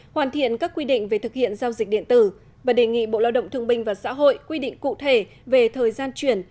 hoàn thiện các quy định về thực hiện giao dịch điện tử và đề nghị bộ lao động thương binh và xã hội quy định cụ thể về thời gian chuyển